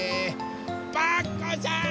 パクこさん！